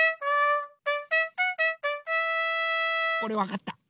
これわかった！